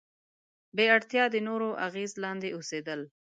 بې اړتیا د نورو اغیز لاندې اوسېدل.